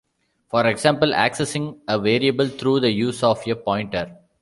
For example, accessing a variable through the use of a pointer.